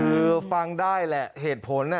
คือฟังได้แหละเหตุผล